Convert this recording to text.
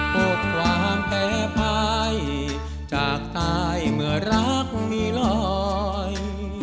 พูดความแพ้ภายจากตายเมื่อรักมีลอย